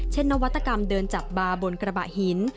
นวัตกรรมเดินจับบาร์บนกระบะหิน